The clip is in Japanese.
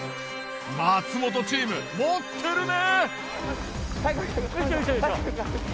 松本チーム持ってるね！